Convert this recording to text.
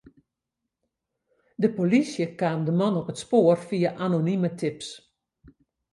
De polysje kaam de man op it spoar fia anonime tips.